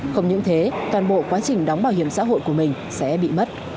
không những thế toàn bộ quá trình đóng bảo hiểm xã hội của mình sẽ bị mất